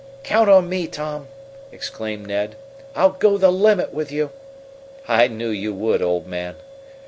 "Count on me, Tom!" exclaimed Ned. "I'll go the limit with you!" "I knew you would, old man!"